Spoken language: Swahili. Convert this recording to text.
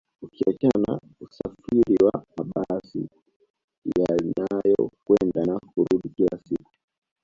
Ukiachana na usafiri wa mabasi yanayokwenda na kurudi kila siku